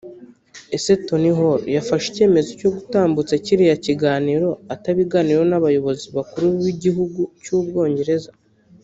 Ese Tony Hall yafashe icyemezo cyo gutambutsa kiriya kiganiro atabiganiriyeho n’abayobozi bakuru b’igihugu cy’u Bwongereza